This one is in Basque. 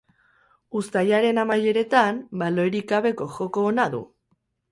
Uztaiaren amaieretan, baloirik gabeko joko ona du.